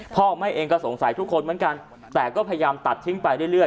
พ่อแม่เองก็สงสัยทุกคนเหมือนกันแต่ก็พยายามตัดทิ้งไปเรื่อย